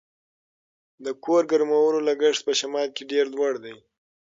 د کور ګرمولو لګښت په شمال کې ډیر لوړ دی